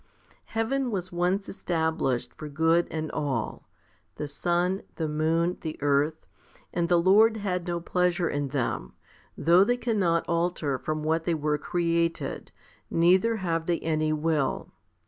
23. Heaven was once established for good and all the sun, the moon, the earth and the Lord had no pleasure in them, though they cannot alter from what they were created, neither have they any will.